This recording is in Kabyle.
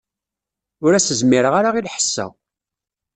Ur as-zmireɣ ara i lḥess-a.